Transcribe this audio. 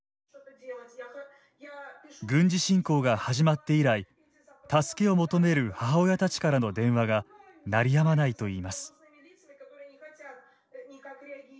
軍事侵攻が始まって以来助けを求める母親たちからの電話が鳴りやまないと言います。